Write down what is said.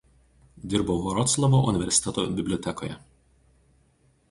Dirbo Vroclavo universiteto bibliotekoje.